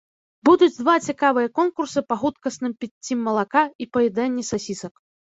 Будуць два цікавыя конкурсы па хуткасным піцці малака і паяданні сасісак.